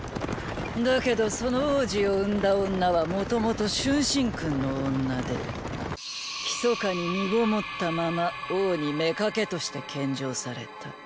だけどその王子を産んだ女はもともと春申君の女で密かに身籠ったまま王に妾として献上された。